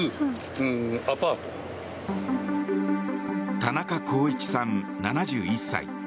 田中公一さん、７１歳。